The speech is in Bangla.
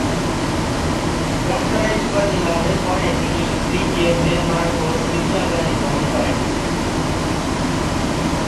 ডক্টরেট উপাধি লাভের পরে তিনি ব্রিটেন, ডেনমার্ক ও সুইজারল্যান্ড ভ্রমণ করেন।